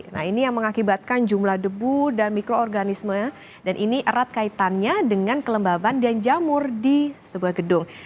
nah ini yang mengakibatkan jumlah debu dan mikroorganisme dan ini erat kaitannya dengan kelembaban dan jamur di sebuah gedung